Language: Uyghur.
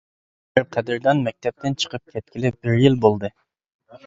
مۇدىر، قەدىردان مەكتەپتىن چىقىپ كەتكىلى بىر يىل بولدى.